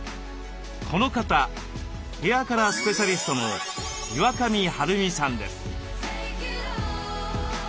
この方ヘアカラースペシャリストの岩上晴美さんです。